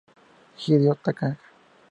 Hideo Tanaka